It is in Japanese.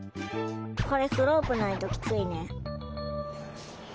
これスロープないときついね。